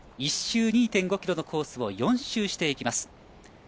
１周２．５ｋｍのコースを４周していきます。